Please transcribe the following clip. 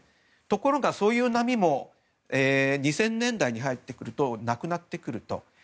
ところが、そういう波も２０００年代に入ってくるとなくなってくると。